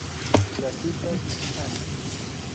Las cifras "Ann".